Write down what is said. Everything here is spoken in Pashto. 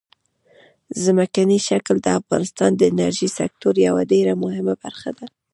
ځمکنی شکل د افغانستان د انرژۍ سکتور یوه ډېره مهمه برخه ده.